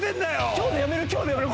今日でやめる今日でやめる！